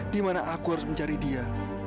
di mana aku harus mencari dia